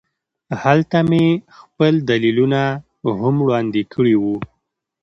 هلته مې خپل دلیلونه هم وړاندې کړي وو